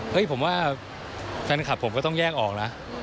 ผมว่าแฟนคลับผมก็ต้องแยกออกนะ